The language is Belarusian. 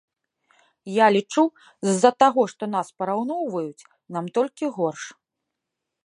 Я лічу, з-за таго, што нас параўноўваюць, нам толькі горш.